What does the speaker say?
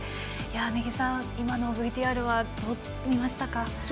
根木さん、今のＶＴＲはどう見ましたか。